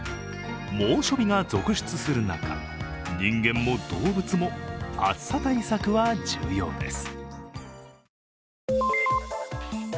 猛暑日が続出する中人間も動物も暑さ対策は重要です。